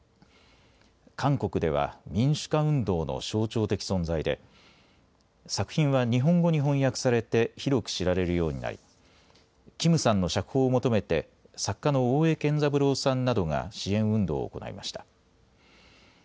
韓国では民主化運動の象徴的存在で作品は日本語に翻訳されて広く知られるようになりキムさんの釈放を求めて作家の大江健三郎さんなどが支援運動を行いました。